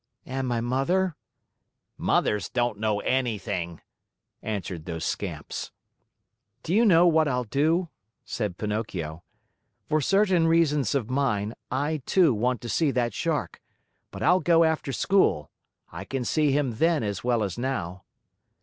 "And my mother?" "Mothers don't know anything," answered those scamps. "Do you know what I'll do?" said Pinocchio. "For certain reasons of mine, I, too, want to see that Shark; but I'll go after school. I can see him then as well as now."